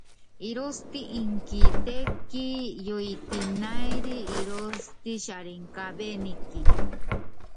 Y tú, Capernaum, que hasta los cielos estás levantada, hasta los infiernos serás abajada.